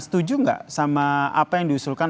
setuju nggak sama apa yang diusulkan